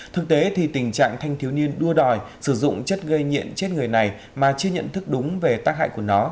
thực tế thì tình trạng thanh thiếu niên đua đòi sử dụng chất gây nghiện chết người này mà chưa nhận thức đúng về tác hại của nó